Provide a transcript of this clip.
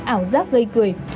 ảo giác và tâm trạng